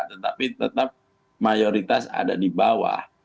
tetapi tetap mayoritas ada di bawah